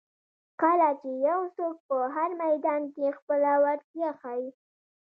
کله چې یو څوک په هر میدان کې خپله وړتیا ښایي.